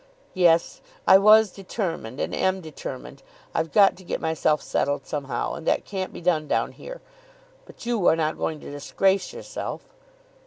"Yes; I was determined, and am determined. I've got to get myself settled somehow, and that can't be done down here. But you are not going to disgrace yourself."